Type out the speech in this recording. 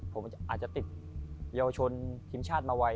ผมอาจจะติดเยาวชนทีมชาติมาไว